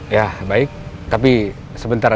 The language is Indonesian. ya baik tapi sebentar